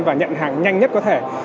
và nhận hàng nhanh nhất có thể